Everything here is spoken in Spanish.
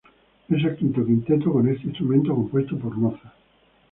Es el único quinteto con este instrumento compuesto por Mozart.